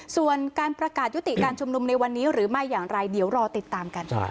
ส่วนการประกาศยุติการชุมนุมในวันนี้หรือไม่อย่างไรเดี๋ยวรอติดตามกัน